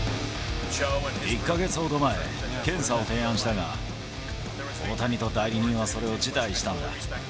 １か月ほど前、検査を提案したが、大谷と代理人はそれを辞退したんだ。